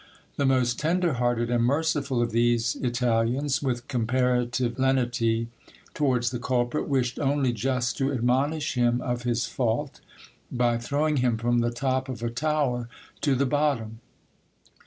The most tender hearted and merciful of these Italians, with comparative lenity towards the culprit, wished only just to admonish him of his fault, by throwing him from the top of a tower to the bottom.